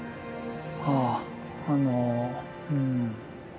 あああのうん。